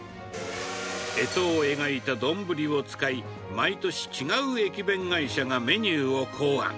えとを描いた丼を使い、毎年、違う駅弁会社がメニューを考案。